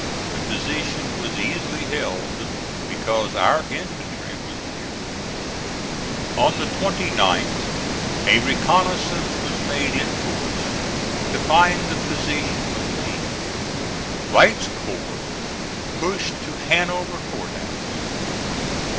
The position was easily held, because our infantry was near. On the 29th a reconnoissance was made in force, to find the position of Lee. Wright's corps pushed to Hanover Court House.